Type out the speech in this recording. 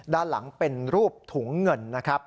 ด้านหลังเป็นรูปถุงเงิน